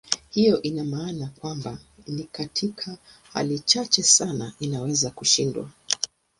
Hiyo ina maana kwamba ni katika hali chache sana inaweza kushindwa.